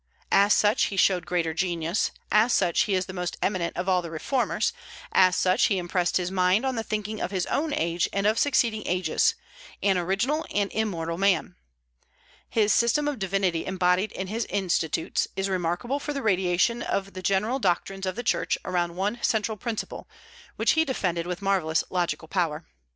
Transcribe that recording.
As such he showed greater genius; as such he is the most eminent of all the reformers; as such he impressed his mind on the thinking of his own age and of succeeding ages, an original and immortal man. His system of divinity embodied in his "Institutes" is remarkable for the radiation of the general doctrines of the Church around one central principle, which he defended with marvellous logical power.